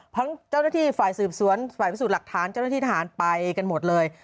เพราะเจ้าหน้าที่ฝ่ายสืบสวนฝ่ายพิสูจน์หลักฐานเจ้าหน้าที่ทหารไปกันหมดเลย